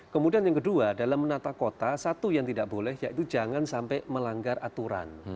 kemudian yang kedua dalam menata kota satu yang tidak boleh yaitu jangan sampai melanggar aturan